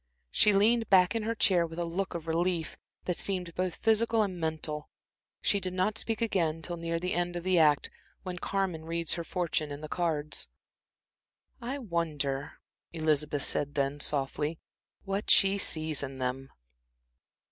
She leaned back in her chair with a look of relief, that seemed both physical and mental. She did not speak again till near the end of the act, when Carmen reads her fortune in the cards. "I wonder," Elizabeth said then, softly, "what she sees in them."